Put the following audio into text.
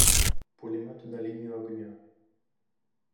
Пулеметы на линию огня!..